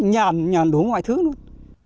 nhàn đố mọi thứ luôn